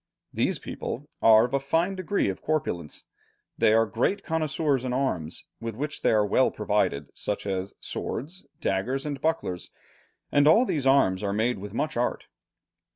"These people are of a fine degree of corpulence, they are great connoisseurs in arms, with which they are well provided, such as swords, daggers, and bucklers, and all these arms are made with much art."